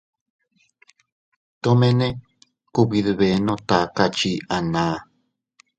Tomene kubidbenno taka chii anaa.